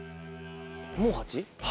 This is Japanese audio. もう８？